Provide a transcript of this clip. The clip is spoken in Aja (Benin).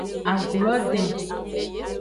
Agu lo den.